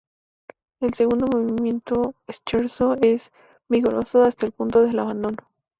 El segundo movimiento scherzo es "vigoroso hasta el punto del abandono".